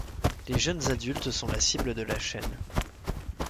Les jeunes adultes sont la cible de la chaîne.